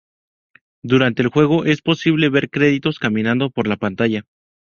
Durante el juego, es posible ver cerditos caminando por la pantalla.